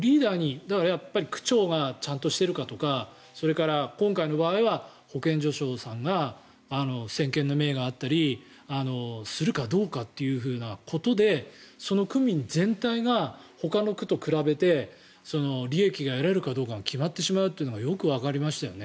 区長がちゃんとしているかとか今回の場合は保健所長さんが先見の明があったりするかどうかということでその区民全体がほかの区と比べて利益が得られるかどうかが決まってしまうということがよくわかりましたよね。